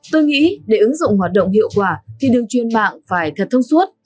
tôi nghĩ để ứng dụng hoạt động hiệu quả thì đường truyền mạng phải thật thông suốt